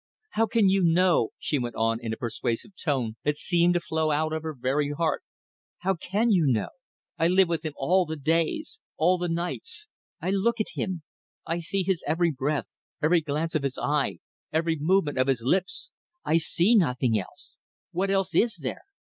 "How can you know?" she went on, in a persuasive tone that seemed to flow out of her very heart "how can you know? I live with him all the days. All the nights. I look at him; I see his every breath, every glance of his eye, every movement of his lips. I see nothing else! What else is there?